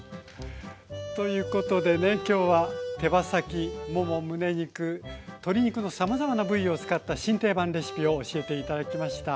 ということでね今日は手羽先ももむね肉鶏肉のさまざまな部位を使った新定番レシピを教えて頂きました。